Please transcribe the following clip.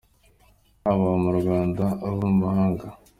haba abo mu Rwanda Abo mu mahanga.